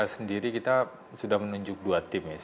bagi kpk sendiri kita sudah menunjuk dua tim